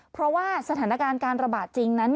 เพราะว่าสถานการณ์การระบาดจริงนั้น